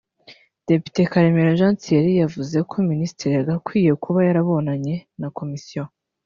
Depite Karemera Jean Thierry yavuze ko minisitiri yagakwiye kuba yarabonanye na komisiyo